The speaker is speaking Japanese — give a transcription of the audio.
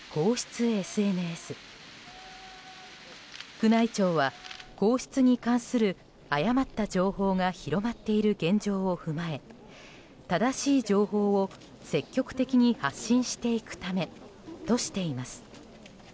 宮内庁は皇室に関する誤った情報が広まっている現状を踏まえ正しい情報を積極的に発信していくためとしています。